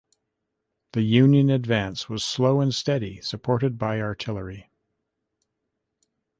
The Union advance was slow and steady, supported by artillery.